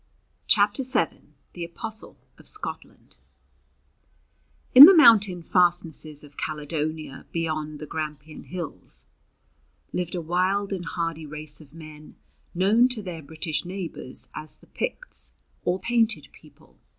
CHAPTER VII THE APOSTLE OF SCOTLAND IN the mountain fastnesses of Caledonia beyond the Grampian Hills, lived a wild and hardy race of men known to their British neighbours as the Picts or "Painted People."